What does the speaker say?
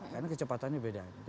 karena kecepatannya beda